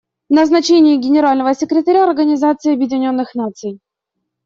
Назначение Генерального секретаря Организации Объединенных Наций.